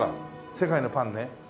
世界のパンね。